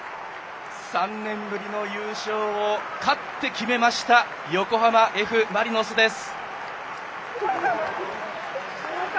３年ぶりの優勝を勝って決めました横浜Ｆ・マリノスです。